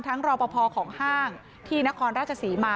รอปภของห้างที่นครราชศรีมา